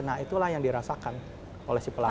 nah itulah yang dirasakan oleh si pelaku